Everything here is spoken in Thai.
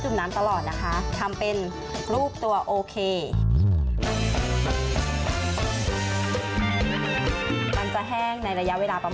มันจะแห้งในระยะเวลา๒วัน